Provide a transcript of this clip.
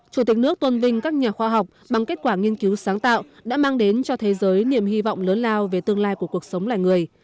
chủ tịch nước tôn vinh các nhà khoa học bằng kết quả nghiên cứu sáng tạo đã mang đến cho thế giới niềm hy vọng lớn lao về tương lai của cuộc sống là người